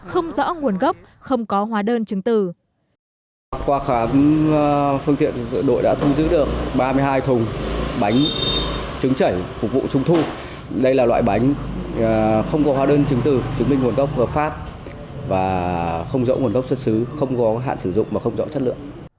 không rõ nguồn gốc không có hóa đơn trứng tử